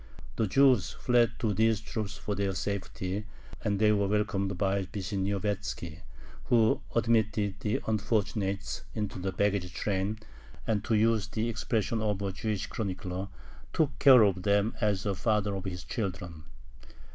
The Jews fled to these troops for their safety, and they were welcomed by Vishniovetzki, who admitted the unfortunates into the baggage train, and, to use the expression of a Jewish chronicler, took care of them "as a father of his children."